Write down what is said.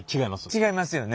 違いますよね。